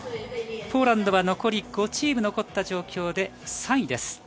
ポーランドは残り５チーム残った状況で３位です。